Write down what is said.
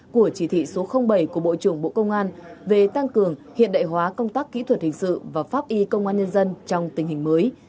của chỉ thị số bảy của bộ trưởng bộ công an về tăng cường hiện đại hóa công tác kỹ thuật hình sự và pháp y công an nhân dân trong tình hình mới